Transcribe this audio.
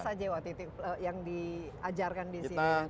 jadi apa saja yang diajarkan di sini